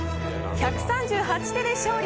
１３８手で勝利。